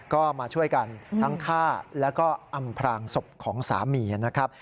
ก็มาช่วยกันทั้งฆ่าแล้วก็อำพลางศพของสามีนะครับ